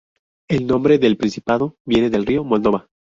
El nombre del principado viene del río Moldova.